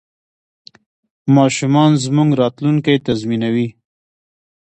ماشومان زموږ راتلونکی تضمینوي.